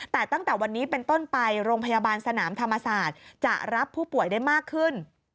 แต่ตั้งแต่วันนี้เป็นต้นไปโรงพยาบาลสนามธรรมศาสตร์จะรับผู้ป่วยได้มากขึ้น